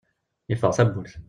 Yeffeɣ tawwurt.